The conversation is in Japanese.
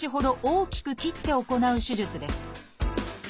大きく切って行う手術です。